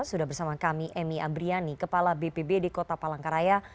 sudah bersama kami emy abriyani kepala bpb di kota palangkaraya